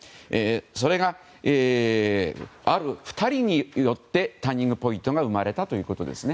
それが、ある２人によってターニングポイントが生まれたんです。